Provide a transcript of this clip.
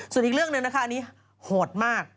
ส่วนอีกเรื่องหนึ่งนะคะอันนี้โหดมาก